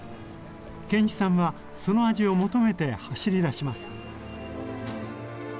建一さんはその味を求めて走り出します。